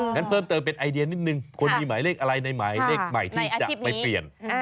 งั้นเพิ่มเติมเป็นไอเดียนิดนึงคนมีหมายเลขอะไรในหมายเลขใหม่ที่จะไปเปลี่ยน